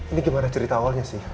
ini gimana cerita awalnya sih